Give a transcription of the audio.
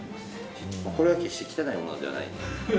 これは決して汚いものではない。